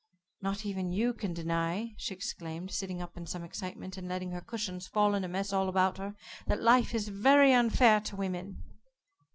Not even you can deny," she exclaimed, sitting up in some excitement, and letting her cushions fall in a mess all about her, "that life is very unfair to women."